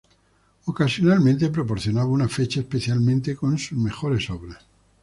Ocasionalmente proporcionaba una fecha, especialmente con sus mejores obras.